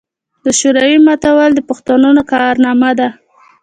د شوروي ماتول د پښتنو کارنامه ده.